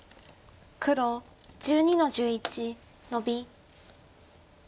黒１２の十一ノビ。